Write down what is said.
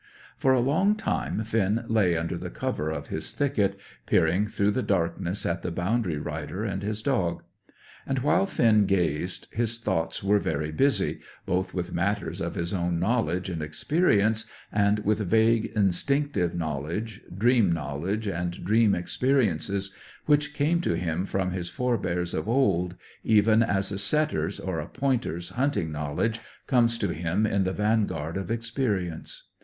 For a long time Finn lay under the cover of his thicket, peering through the darkness at the boundary rider and his dog. And while Finn gazed his thoughts were very busy, both with matters of his own knowledge and experience, and with vague instinctive knowledge, dream knowledge and dream experiences, which came to him from his forbears of old, even as a setter's or a pointer's hunting knowledge comes to him in the vanguard of experience.